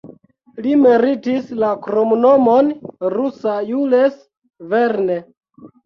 Li meritis la kromnomon "Rusa Jules Verne".